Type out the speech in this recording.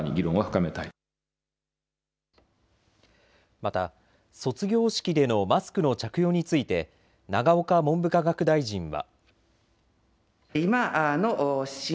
また卒業式でのマスクの着用について永岡文部科学大臣は。